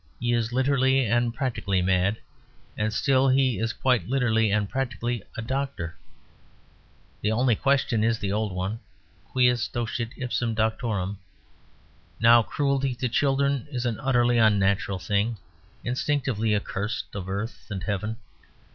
He is literally and practically mad; and still he is quite literally and practically a doctor. The only question is the old one, Quis docebit ipsum doctorem? Now cruelty to children is an utterly unnatural thing; instinctively accursed of earth and heaven.